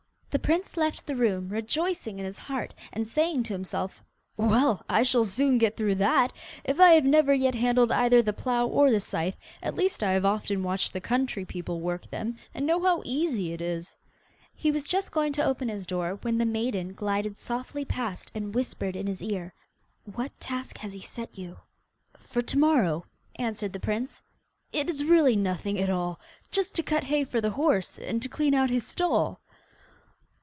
The prince left the room, rejoicing in his heart, and saying to himself, 'Well, I shall soon get through that! If I have never yet handled either the plough or the scythe, at least I have often watched the country people work them, and know how easy it is.' He was just going to open his door, when the maiden glided softly past and whispered in his ear: 'What task has he set you?' 'For to morrow,' answered the prince, 'it is really nothing at all! Just to cut hay for the horse, and to clean out his stall!